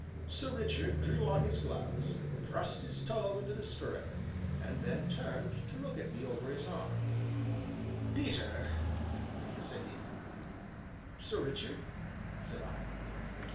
Sir Richard drew on his gloves, thrust his toe into the stirrup, and then turned to look at me over his arm. "Peter," said he. "Sir Richard?" said I.